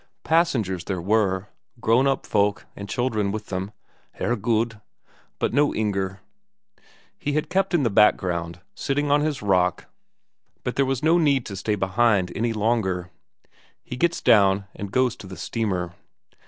Passengers there were, grown up folk and children with them Herregud! but no Inger. He had kept in the background, sitting on his rock, but there was no need to stay behind any longer; he gets down and goes to the steamer.